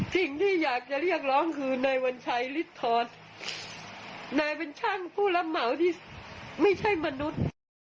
สิ่งที่อยากจะเรียกร้องคือนายวัญชัยฤทธรนายเป็นช่างผู้รับเหมาที่ไม่ใช่มนุษย์